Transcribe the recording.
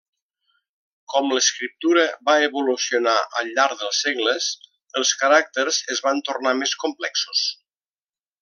Com l'escriptura va evolucionar al llarg dels segles, els caràcters es van tornar més complexos.